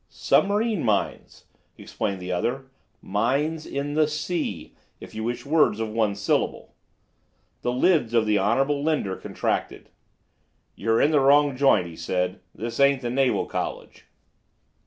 "Submarine mines," explained the other., "Mines in the sea, if you wish words of one syllable." The lids of the Honorable Linder contracted. "You're in the wrong joint," he said, "this ain't the Naval College."